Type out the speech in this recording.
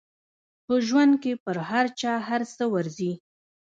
په ژوند کې پر چا هر څه ورځي.